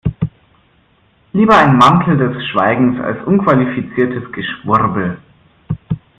Lieber ein Mantel des Schweigens als unqualifiziertes Geschwurbel.